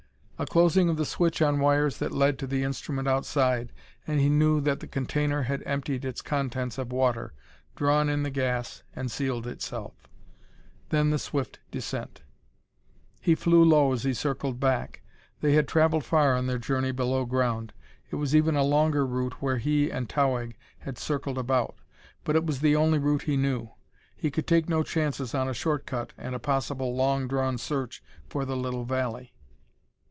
A closing of the switch on wires that led to the instrument outside, and he knew that the container had emptied its contents of water, drawn in the gas and sealed itself. Then the swift descent. He flew low as he circled back. They had traveled far on their journey below ground; it was even a longer route where he and Towahg had circled about. But it was the only route he knew; he could take no chances on a short cut and a possible long drawn search for the little valley.